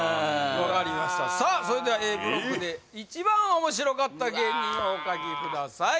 それではＡブロックで一番面白かった芸人をお書きください